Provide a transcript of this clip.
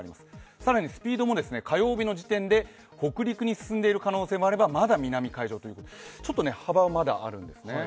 更にスピードも火曜日の時点で北陸に進んでいる可能性もあれば、まだ南海上ということも、幅があるんですね。